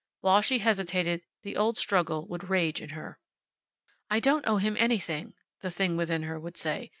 While she hesitated the old struggle would rage in her. "I don't owe him anything," the thing within her would say.